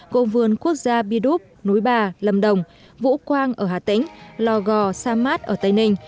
gồm vườn quốc gia bi đúc núi bà lâm đồng vũ quang ở hà tĩnh lò gò sa mát ở tây ninh